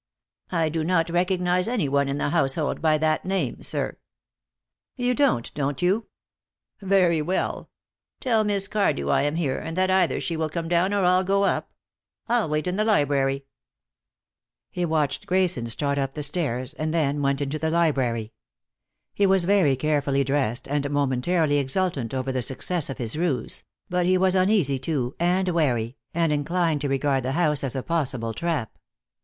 "I do not recognize any one in the household by that name, sir." "You don't, don't you? Very well. Tell Miss Cardew I am here, and that either she will come down or I'll go up. I'll wait in the library." He watched Grayson start up the stairs, and then went into the library. He was very carefully dressed, and momentarily exultant over the success of his ruse, but he was uneasy, too, and wary, and inclined to regard the house as a possible trap.